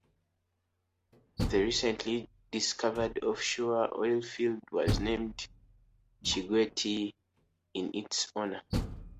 The recently discovered offshore oilfield was named Chinguetti in its honor.